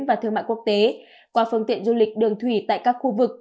và thương mại quốc tế qua phương tiện du lịch đường thủy tại các khu vực